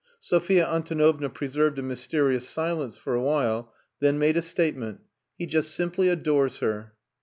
Sophia Antonovna preserved a mysterious silence for a while, then made a statement. "He just simply adores her."